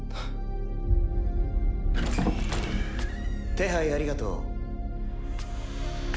手配ありがとう。